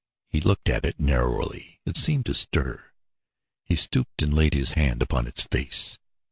He looked at it narrowly. It seemed to stir. He stooped and laid his hand upon its face.